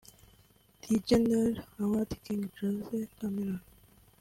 Legendary Award – King Jose Chameleone